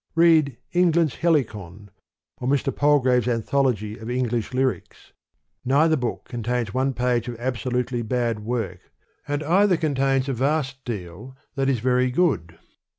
Read England ^s Helicon, or Mr. Palgrave's anth ology o£ English Lyrics : neither book con tains one page of absolutely bad work, and either contains a vast deal that is very good.